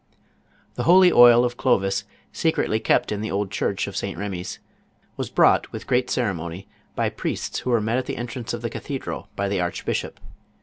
The holy oil of Clovis, secretly kept in the old church of St. Rcmy's, was brought with great ceremony by priests who were met at the entrance of the cathedral b}' the archbishop.